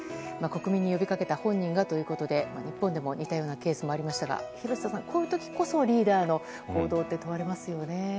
国民に呼び掛けた本人がということで日本でも似たようなケースもありましたが廣瀬さん、こういう時こそリーダーの行動が問われますよね。